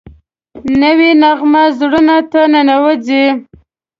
نوې نغمه زړونو ته ننوځي